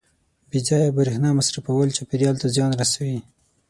• بې ځایه برېښنا مصرفول چاپېریال ته زیان رسوي.